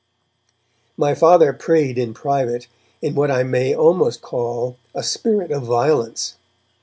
My Father prayed in private in what I may almost call a spirit of violence.